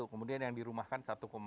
kemudian yang dirumahkan satu lima